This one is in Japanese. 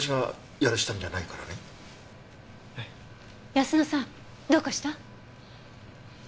泰乃さんどうかした？